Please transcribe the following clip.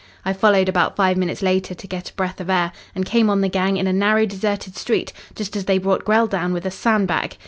I followed about five minutes later to get a breath of air, and came on the gang in a narrow, deserted street, just as they brought Grell down with a sandbag.